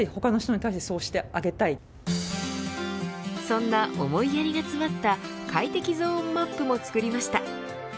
そんな思いやりが詰まった快適ゾーンマップも作りました。